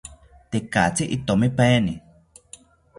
Tekatzi itomipaeni